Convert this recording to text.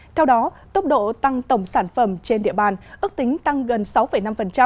theo đó tốc độ tăng tổng sản phẩm trên địa bàn ước tính tăng gần sáu năm